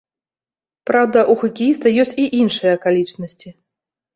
Праўда, у хакеіста ёсць і іншыя акалічнасці.